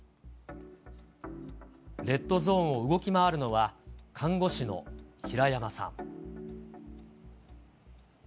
レッドゾーンを動き回るのは看護師の平山さん。